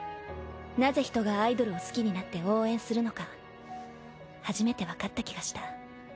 なぜ人がアイドルを好きになって応援するのか初めてわかった気がした。